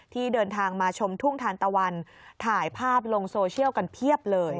ที่เดินทางมาชมทุ่งทานตะวันถ่ายภาพลงโซเชียลกันเพียบเลย